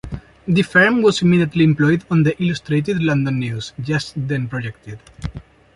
The firm was immediately employed on the "Illustrated London News", just then projected.